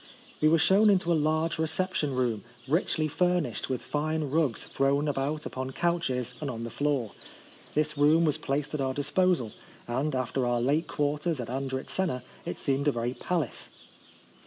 We were shown into a large reception room, richly furnished, with fine rugs thrown about upon couches and on the floor. This room was placed at our disposal ; and, after our late quarters at Andritzena, it seemed a very palace.